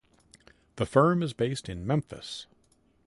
The firm is based in Memphis.